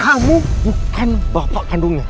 kamu bukan bapak kandungnya